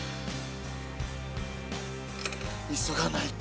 急がないと。